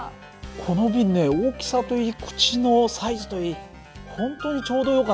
この瓶ね大きさといい口のサイズといい本当にちょうどよかったんでね